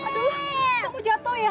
aduh kamu jatuh ya